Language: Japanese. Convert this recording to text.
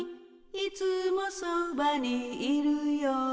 「いつもそばにいるよ」